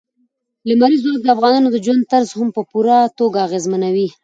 لمریز ځواک د افغانانو د ژوند طرز هم په پوره توګه اغېزمنوي.